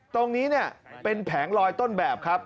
ตรงนี้เป็นแผงลอยต้นแบบครับ